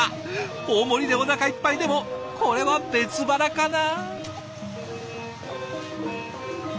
大盛りでおなかいっぱいでもこれは別腹かな。